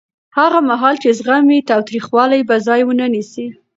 هغه مهال چې زغم وي، تاوتریخوالی به ځای ونه نیسي.